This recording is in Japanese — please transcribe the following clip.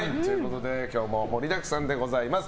今日も盛りだくさんでございます。